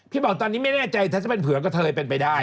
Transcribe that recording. บอกตอนนี้ไม่แน่ใจถ้าจะเป็นเผื่อก็เธอเป็นไปได้